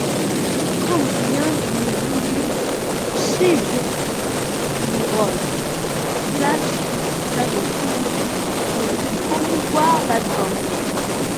Comme rien ne bougeait chez Guns N'Roses, Slash décida de tourner pour promouvoir l'album.